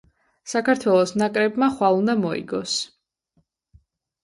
საქართველოს ნაკრებმა ხვალ უნდა მოიგოს